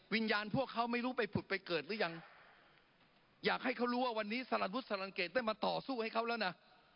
วิญญาณพวกเขาไม่รู้ไปผุดไปเกิดหรือยังอยากให้เขารู้ว่าวันนี้สารวุฒิสลังเกตได้มาต่อสู้ให้เขาแล้วนะ